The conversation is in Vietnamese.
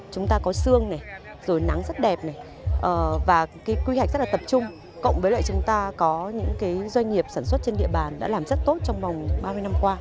chúng ta có sương rồi nắng rất đẹp và quy hoạch rất là tập trung cộng với lại chúng ta có những doanh nghiệp sản xuất trên địa bàn đã làm rất tốt trong vòng ba mươi năm qua